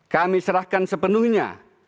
kami serahkan sepenuhnya